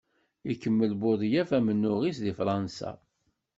Ikemmel Budyaf amennuɣ-is deg Fransa.